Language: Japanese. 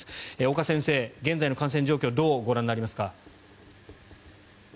岡先生、現在の感染状況どうご覧になりますか？